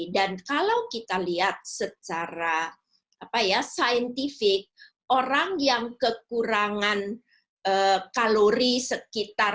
dan kalau kita lihat secara apa ya saintifik orang yang kekurangan kalori sekitar